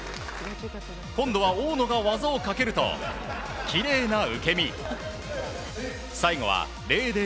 今度は大野が技をかけるときれいな受け身。